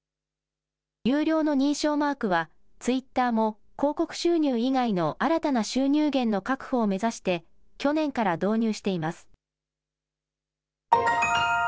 有料の認証マークはツイッターも広告収入以外の新たな収入源の確保を目指して去年から導入しています。